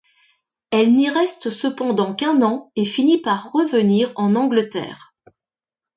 Elle n'y reste cependant qu'un an, et finit par revenir en Angleterre.